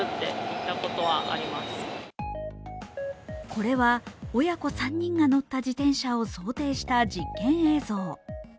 これは親子３人が乗った自転車を想定した実験映像。